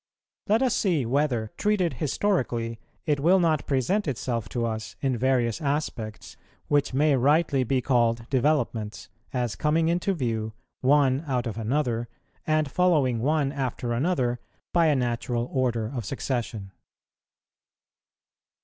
Let us see whether, treated historically, it will not present itself to us in various aspects which may rightly be called developments, as coming into view, one out of another, and following one after another by a natural order of succession.